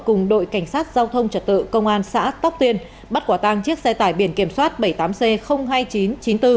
cùng đội cảnh sát giao thông trật tự công an xã tóc tiên bắt quả tang chiếc xe tải biển kiểm soát bảy mươi tám c hai nghìn chín trăm chín mươi bốn